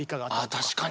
あ確かに。